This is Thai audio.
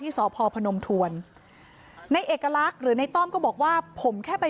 สพพนมทวนในเอกลักษณ์หรือในต้อมก็บอกว่าผมแค่ไป